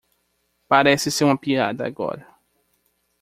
Parece ser uma piada agora.